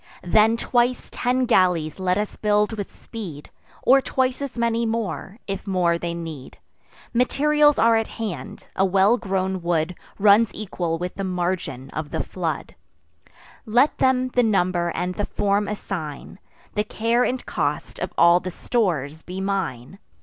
Then twice ten galleys let us build with speed, Or twice as many more, if more they need. Materials are at hand; a well grown wood Runs equal with the margin of the flood: Let them the number and the form assign; The care and cost of all the stores be mine.